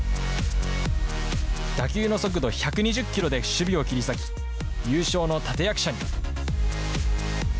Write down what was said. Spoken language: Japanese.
打球の速度、１２０キロで守備を切り裂き、優勝の立て役者に。